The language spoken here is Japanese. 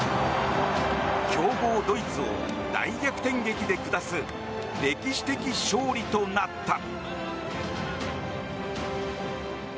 強豪ドイツを大逆転劇で下す歴史的勝利となった。